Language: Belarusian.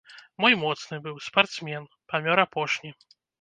Мой моцны быў, спартсмен, памёр апошні.